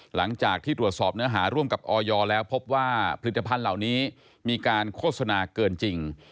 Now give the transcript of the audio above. หลังจากที่ตรวจสอบเนื้อหาร่วมกับออยแล้วพบว่าผลิตภัณฑ์เหล่านี้มีการโฆษณาเกินจริง